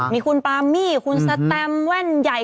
มีคุณปามี่คุณสแตมแว่นใหญ่